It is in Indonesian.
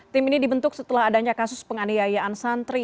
tim ini dibentuk setelah adanya kasus penganiayaan santri